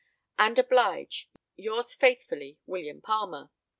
"And oblige, yours faithfully, "WILLIAM PALMER."